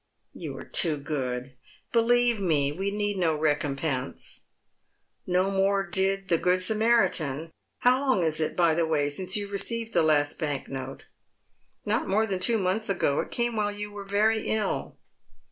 " You are too good. Believe me, we need no recompence." " No more did the good Samaritan. How long is it, by the way, since you received the last bank note ?"" Not more than two months ago. It came while you were very ill."